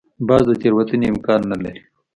باز د تېروتنې امکان نه لري